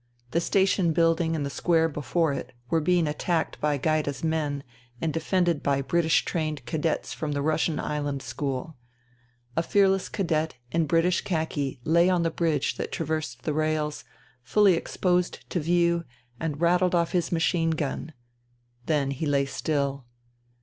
The station building and the square before it were being attacked by Gaida's men and defended by British trained cadets from Russian Island School. A fearless cadet in British khaki lay on the bridge that traversed the rails, fully exposed to view, and rattled off his machine gun ; then he lay still.